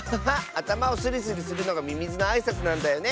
あたまをスリスリするのがミミズのあいさつなんだよね。